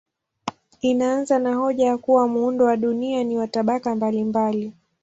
Inaanza na hoja ya kuwa muundo wa dunia ni wa tabaka mbalimbali.